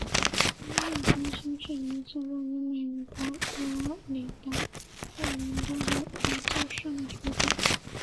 安丽中心是一座位于美国佛罗里达州奥兰多的一座室内体育馆。